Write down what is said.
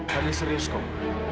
tante serius kak